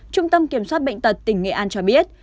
trung tâm kiểm soát bệnh tật tỉnh nghệ an cho biết